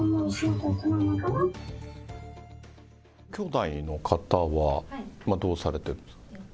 ごきょうだいの方はどうされてるんですか。